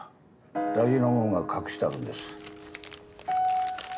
大事なもんが隠してあるんです。